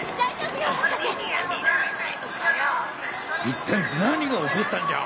一体何が起こったんじゃ？